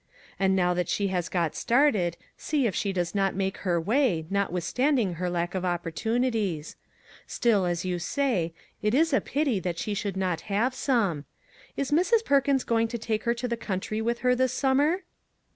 And now that she has got started, see if she does not make her way, notwithstanding her lack of opportunities. Still, as you say, it 163 MAG AND MARGARET is a pity that she should not have some. Is Mrs. Perkins going to take her to the country with her this summer